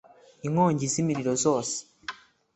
Inkongi z’imiriro zose